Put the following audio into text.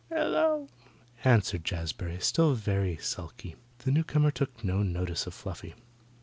"Hello!" answered Jazbury, still very sulky. The newcomer took no notice of Fluffy.